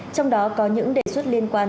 trong đó có những đề xuất liên quan